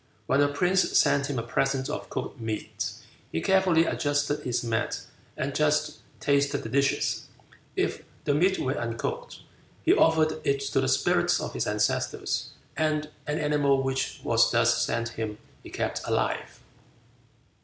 When the prince sent him a present of cooked meat, he carefully adjusted his mat and just tasted the dishes; if the meat were uncooked, he offered it to the spirits of his ancestors, and any animal which was thus sent him he kept alive.